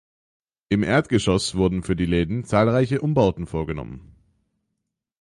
Im Erdgeschoss wurden für die Läden zahlreiche Umbauten vorgenommen.